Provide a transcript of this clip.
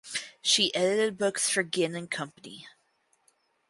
She edited books for Ginn and Company.